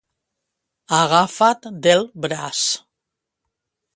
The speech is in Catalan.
Agafat del braç.